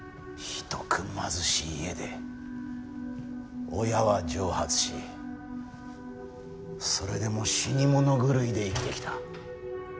ひどく貧しい家で親は蒸発しそれでも死に物狂いで生きてきた。